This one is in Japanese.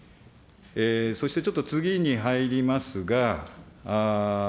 そしてちょっと次に入りますが。